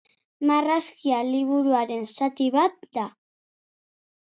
Marrazkia liburuaren zati bat da.